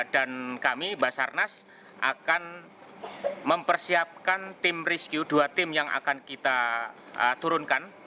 dan kami basarnas akan mempersiapkan tim rescue dua tim yang akan kita turunkan